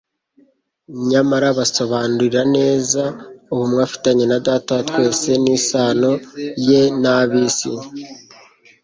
nyamara abasobanurira neza ubumwe afitanye na Data wa twese n'isano ye n'ab'isi.